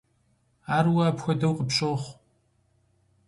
Ар уэ апхуэдэу къыпщохъу.